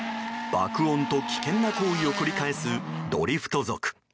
爆音と危険な行為を繰り返すドリフト族。